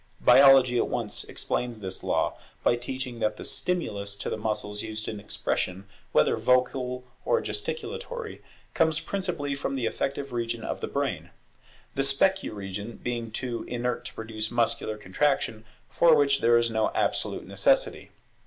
Biology at once explains this law, by teaching that the stimulus to the muscles used in expression, whether vocal or gesticulatory, comes principally from the affective region of the brain; the specu region being too inert to produce muscular contraction for which there is no absolute necessity.